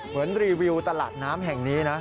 เหมือนรีวิวตลาดน้ำแห่งนี้นะ